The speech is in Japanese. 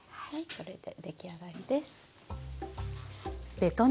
これで出来上がりです。